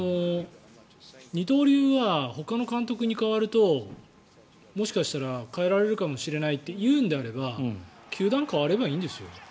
二刀流はほかの監督に代わるともしかしたら変えられるかもしれないというのであれば球団を変わればいいんですよ。